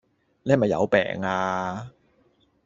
你係咪有病呀